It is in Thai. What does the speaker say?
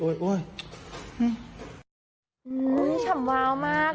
อุ๊ยอันนี้ฉำวาวมาก